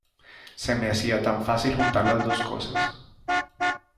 Se me hacía tan fácil juntar las dos cosas.